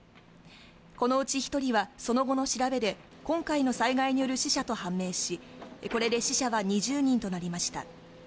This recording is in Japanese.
このうち１人は、その後の調べで今回の災害による死者と判明しこれで死者は２０人となりました。